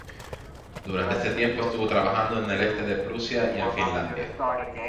Durante este tiempo estuvo trabajando en el este de Prusia y en Finlandia.